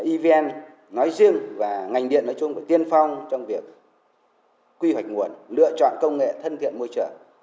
evn nói riêng và ngành điện nói chung tiên phong trong việc quy hoạch nguồn lựa chọn công nghệ thân thiện môi trường